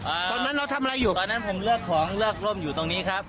ตอนนั้นเราทำอะไรอยู่ตอนนั้นผมเลือกของเลือกร่มอยู่ตรงนี้ครับ